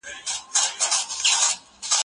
آیا د طلاق دا ټول مسائل واضح سول؟